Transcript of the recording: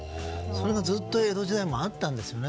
それがずっと江戸時代にもあったんですよね。